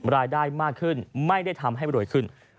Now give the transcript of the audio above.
รายได้มากขึ้นไม่ได้ทำให้รวยขึ้น